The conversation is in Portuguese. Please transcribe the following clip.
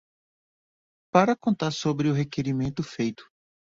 Para contar sobre o requerimento feito